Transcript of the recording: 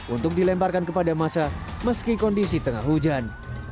untuk dilemparkan kepada masa meski kondisi tengah hujan